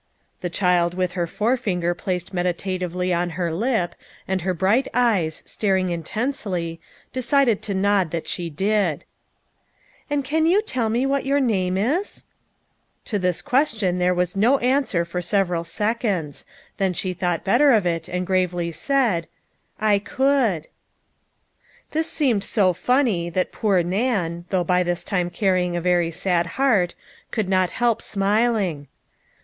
The child with her forefinger placed medita tively on her lip, and her bright eyes staring in tensely, decided to nod that she did. 24 BEGINNING HER LIFE. 25 " And can you tell me what your name is ?" To this question there was no answer for sev eral seconds, then she thought better of it and gravely said :" I could." This seemed so funny, that poor Nan, though by this time carrying a very sad heart, could not help smiling.